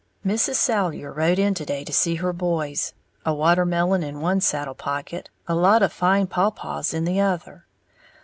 _ Mrs. Salyer rode in to day to see her boys, a watermelon in one saddle pocket, a lot of fine pawpaws in the other.